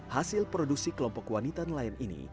hasil produksi kelompok wanita nelayan ini